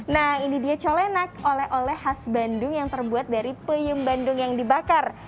nah ini dia colenak oleh oleh khas bandung yang terbuat dari peyem bandung yang dibakar